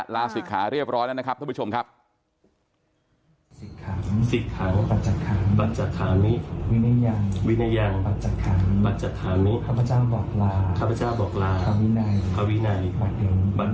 ลาศิกขาเรียบร้อยแล้วนะครับท่านผู้ชมครับ